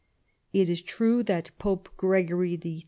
It is true that Pope Gregory XIII.